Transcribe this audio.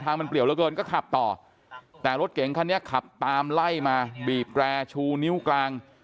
ทางมันเปลี่ยวเหลือเกินก็ขับต่อแต่รถเก๋งคันนี้ขับตามไล่มาบีบแร่ชูนิ้วกลาง